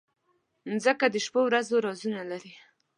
مځکه د شپو ورځو رازونه لري.